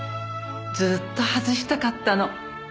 ずっと外したかったの。